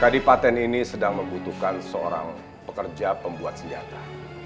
kadi paten ini sedang membutuhkan seorang pekerja pembuat senjata